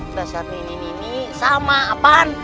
dasar nini nini sama pan